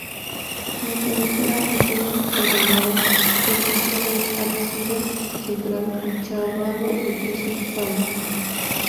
La cabecera, apenas desarrollada, consiste en un ábside central ochavado de tres paños.